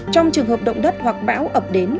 trong trường hợp động đất hoặc bão ập đến